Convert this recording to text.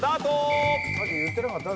さっき言ってなかった？